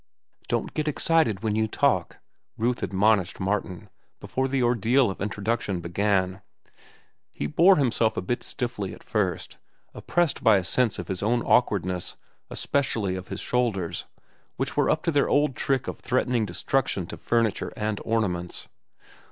"Don't get excited when you talk," Ruth admonished Martin, before the ordeal of introduction began. He bore himself a bit stiffly at first, oppressed by a sense of his own awkwardness, especially of his shoulders, which were up to their old trick of threatening destruction to furniture and ornaments.